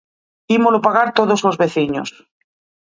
Ímolo pagar todos os veciños.